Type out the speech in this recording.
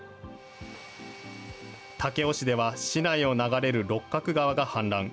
武雄市では、市内を流れる六角川が氾濫。